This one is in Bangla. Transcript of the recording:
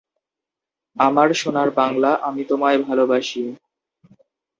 আমার সোনার বাংলা, আমি তোমায় ভালোবাসি।